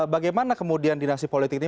bagaimana kemudian dinasti politik ini